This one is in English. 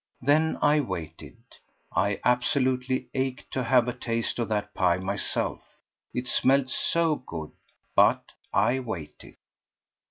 Then I waited. I absolutely ached to have a taste of that pie myself, it smelt so good, but I waited.